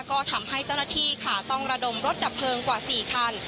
ก็ทำให้เจ้าหน้าที่ค่ะต้องระดมรถดับเพลิงกว่า๔คัน